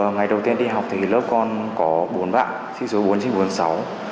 ngày đầu tiên đi học thì lớp con có bốn bạn sinh số bốn nghìn chín trăm bốn mươi sáu